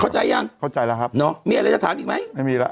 เข้าใจหรือยังมีอะไรจะถามอีกไหม